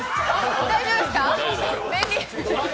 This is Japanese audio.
大丈夫ですか。